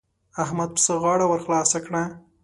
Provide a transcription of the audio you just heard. احمد پسه غاړه ور خلاصه کړه.